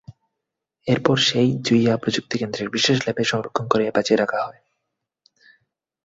এরপর সেই জুইয়া প্রযুক্তিকেন্দ্রের বিশেষ ল্যাবে সংরক্ষণ করে বাঁচিয়ে রাখা হয়।